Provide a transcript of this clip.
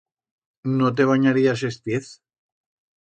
No te banyarías es piez.